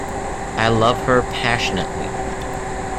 I love her passionately.